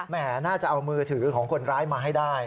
น่าจะเอามือถือของคนร้ายมาให้ได้